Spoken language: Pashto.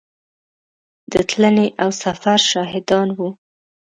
د تلنې او سفر شاهدان وو.